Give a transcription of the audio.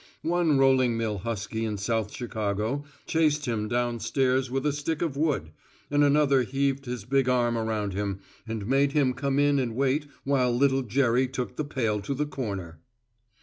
One rolling mill husky in South Chicago chased him down stairs with a stick of wood, and another heaved his big arm around him and made him come in and wait while little Jerry took the pail to the corner.